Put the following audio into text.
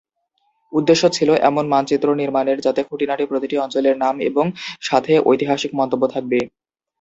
উদ্দেশ্য ছিল এমন মানচিত্র নির্মাণের যাতে খুঁটিনাটি প্রতিটি অঞ্চলের নাম এবং সাথে ঐতিহাসিক মন্তব্য থাকবে।